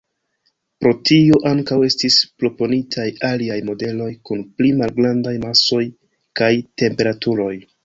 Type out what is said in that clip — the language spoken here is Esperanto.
Pro tio, ankaŭ estis proponitaj aliaj modeloj kun pli malgrandaj masoj kaj temperaturoj.